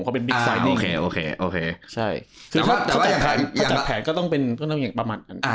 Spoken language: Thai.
แต่ว่าถ้าจัดแผนก็ต้องเป็นอย่างประมาณนั้น